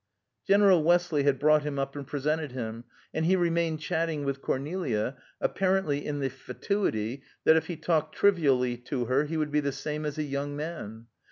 General Westley had brought him up and presented him, and he remained chatting with Cornelia, apparently in the fatuity that if he talked trivially to her he would be the same as a young man.